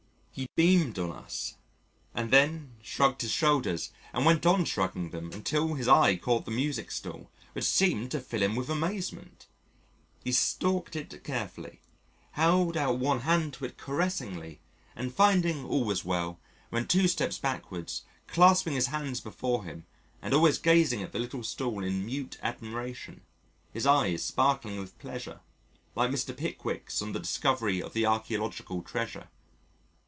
He beamed on us and then shrugged his shoulders and went on shrugging them until his eye caught the music stool, which seemed to fill him with amazement. He stalked it carefully, held out one hand to it caressingly, and finding all was well, went two steps backwards, clasping his hands before him and always gazing at the little stool in mute admiration, his eyes sparkling with pleasure, like Mr. Pickwick's on the discovery of the archeological treasure.